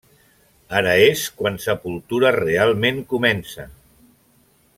Ara és quan Sepultura realment comença.